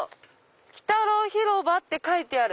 「鬼太郎ひろば」って書いてある。